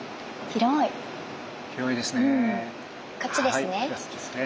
広いですね。